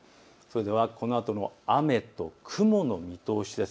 このあとの雨と雲の見通しです。